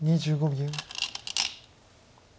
２５秒。